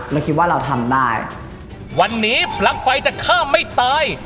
วันนี้พลังไฟเมืองจะข้ามไม่ตาย